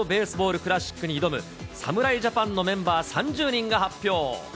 クラシックに挑む侍ジャパンのメンバー３０人が発表。